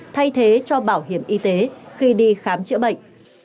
thay thế cho bảo hiểm y tế khi đi khám chữa bệnh